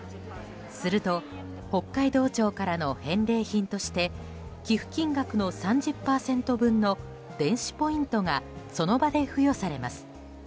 すると、北海道庁からの返礼品として寄付金額の３０％分の電子ポイントがその場で付与されます。